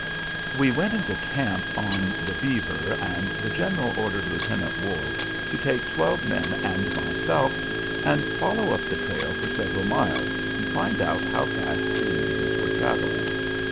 We went into camp on the Beaver, and the General ordered Lieutenant Ward to take twelve men and myself and follow up the trail for several miles, and find out how fast the Indians were traveling.